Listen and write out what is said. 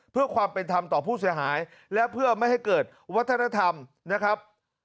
เพื่อความเป็นธรรมต่อผู้เสียหายและเพื่อไม่ให้เกิดวัฒนธรรมนะครับ